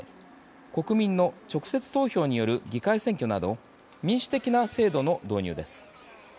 国民の直接投票による議会選挙など民主的な制度の導入です。